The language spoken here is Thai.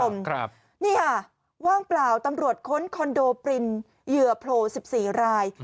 นี่ค่ะว่างเปล่าตำรวจค้นคอนโดปรินเหยื่อโผล่๑๔ราย